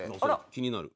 気になる。